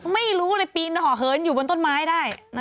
ไม่รู้เลยปีนห่อเหินอยู่บนต้นไม้ได้